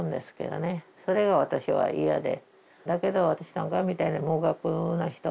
それが私は嫌で。